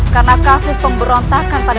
karena kasus pemberontakan pada